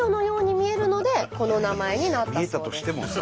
見えたとしてもさ。